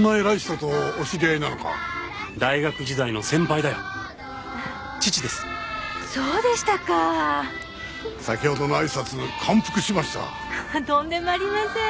とんでもありません。